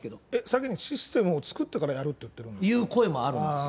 システムを作ってからやるって言ってるんですか？